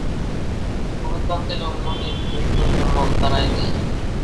Govinda uncle এবং মণির মৃত্যুর জন্য তারাই দায়ী।